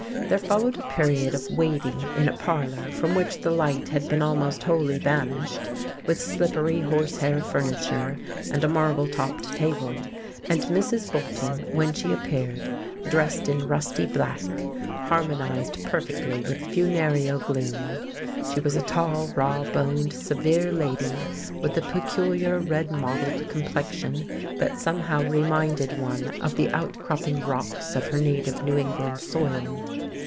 There followed a period of waiting in a parlour from which the light had been almost wholly banished, with slippery horsehair furniture and a marble topped table; and Mrs. Bolton, when she appeared, dressed in rusty black, harmonized perfectly with the funereal gloom. She was a tall, rawboned, severe lady with a peculiar red mottled complexion that somehow reminded one of the outcropping rocks of her native New England soil.